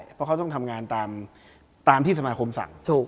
เพราะเขาต้องทำงานตามที่สมาคมสั่ง